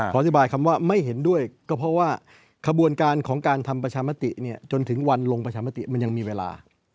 อธิบายคำว่าไม่เห็นด้วยก็เพราะว่าขบวนการของการทำประชามติจนถึงวันลงประชามติมันยังมีเวลา